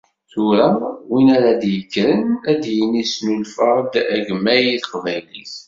Tura win ara d-yekkren ad d-yini snulfaɣ-d agemmay i teqbaylit.